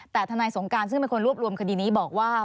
แต่ทนายสงการซึ่งเป็นคนรวบรวมคดีนี้บอกว่า